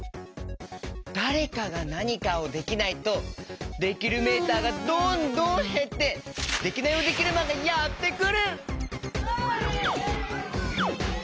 だれかがなにかをできないとできるメーターがどんどんへってデキナイヲデキルマンがやってくる！